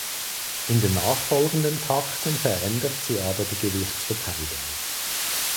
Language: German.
In den nachfolgenden Takten verändert sie aber die Gewichtsverteilung.